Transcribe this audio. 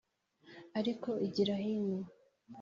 ariko igira hino.